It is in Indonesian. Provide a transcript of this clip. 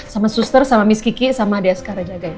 sama suster sama miss kiki sama dia sekarang jagain